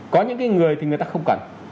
có những cái người thì người ta không cần